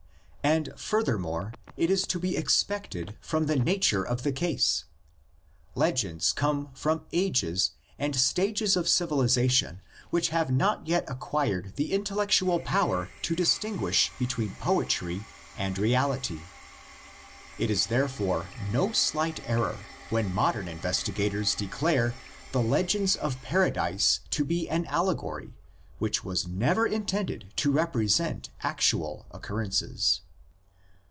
And further more, it is to be expected from the nature of the case; legends come from ages and stages of civilisa tion which have not yet acquired the intellectual power to distinguish between poetry and reality. It is therefore no slight error when modern investi gators declare the legend of Paradise to be an allegory which was never intended to represent actual occurrences.